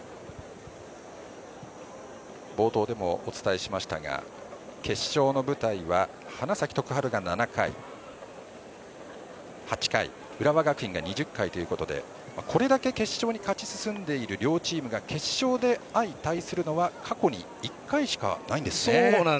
冒頭でもお伝えしましたが決勝の舞台は花咲徳栄が７回、８回浦和学院が２０回ということでこれだけ決勝に勝ち進んでいる両チームが決勝で相対するのは過去に１回しかないんですね。